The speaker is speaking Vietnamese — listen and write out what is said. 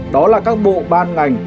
đó là các bộ ban ngành